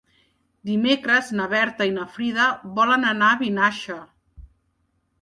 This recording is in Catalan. Dimecres na Berta i na Frida volen anar a Vinaixa.